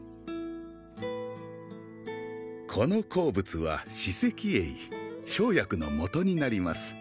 この鉱物は紫石英生薬のもとになります